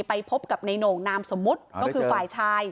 ไปพบกับในโหน่งนามสมมุติก็คือฝ่ายชาย